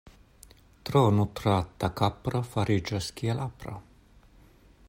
Tro nutrata kapro fariĝas kiel apro.